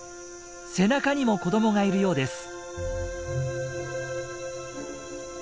背中にも子どもがいるようです！